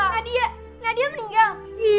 nadia nadia meninggal